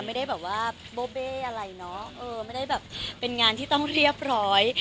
ไม่ได้แบบว่าโบ้เบ้อะไรเนอะเออไม่ได้แบบเป็นงานที่ต้องเรียบร้อย